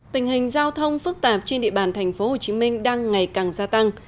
tình hình giao thông phức tạp trên địa bàn tp hcm đang ngày càng gia tăng